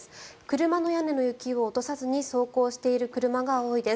車の屋根の雪を落とさずに走行している車が多いです。